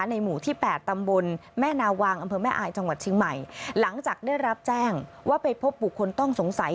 หมู่ที่แปดตำบลแม่นาวางอำเภอแม่อายจังหวัดเชียงใหม่หลังจากได้รับแจ้งว่าไปพบบุคคลต้องสงสัย